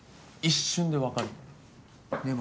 一瞬で分かるの。